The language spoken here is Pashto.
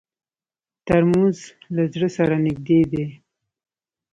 ترموز له زړه سره نږدې دی.